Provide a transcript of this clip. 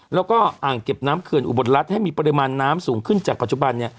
แล้วก็อ่างเก็บน้ำเขื่อนอุบลรัฐให้มีปริมาณน้ำสูงขึ้นจากปัจจุบัน